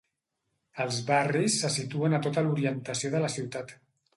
Els barris se situen a tota l'orientació de la ciutat.